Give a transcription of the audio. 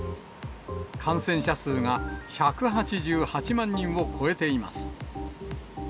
感染者数が１８８万人を超えています。